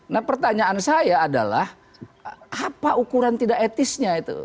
nah pertanyaan saya adalah apa ukuran tidak etisnya itu